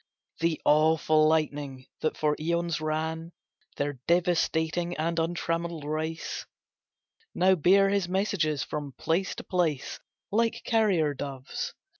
The awful lightning that for eons ran Their devastating and untrammelled race, Now bear his messages from place to place Like carrier doves.